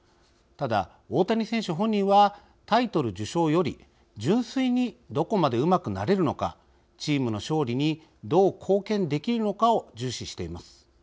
ただ、大谷選手本人はタイトル受賞より純粋にどこまでうまくなれるのかチームの勝利にどう貢献できるのかを重視しています。